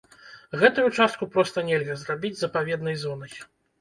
Гэтую частку проста нельга зрабіць запаведнай зонай.